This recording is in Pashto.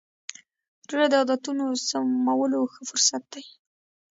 روژه د عادتونو سمولو ښه فرصت دی.